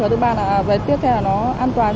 và thứ ba là tiếp theo nó an toàn